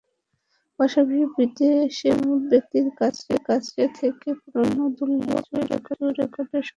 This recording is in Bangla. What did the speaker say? পাশাপাশি বিদেশে বিভিন্ন ব্যক্তির কাছ থেকেও পুরোনো দুর্লভ কিছু রেকর্ডের সন্ধান পেয়েছি।